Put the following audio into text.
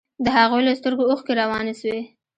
د هغوى له سترگو اوښکې روانې سوې.